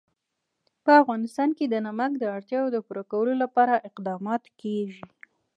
په افغانستان کې د نمک د اړتیاوو پوره کولو لپاره اقدامات کېږي.